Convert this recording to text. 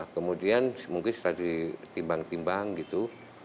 kemudian mungkin setelah ditimbang timbang gitu